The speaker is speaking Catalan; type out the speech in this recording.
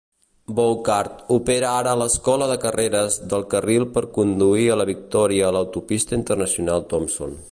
Bouchard opera ara l'Escola de Carreres del Carril per Conduir a la Victòria a l'Autopista Internacional Thompson.